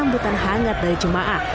sambutan hangat dari jemaah